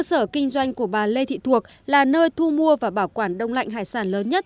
cơ sở kinh doanh của bà lê thị thuột là nơi thu mua và bảo quản đông lạnh hải sản lớn nhất